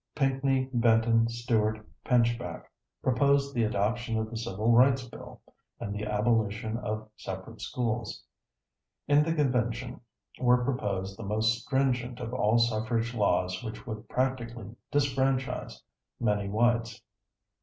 Pinckney Benton Stewart Pinchback proposed the adoption of the Civil Rights Bill, and the abolition of separate schools. In the convention were proposed the most stringent of all suffrage laws which would practically disfranchise many whites.